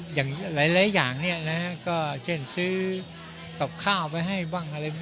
หลายอย่างเนี่ยนะครับก็เช่นซื้อกับข้าวไปให้บ้าง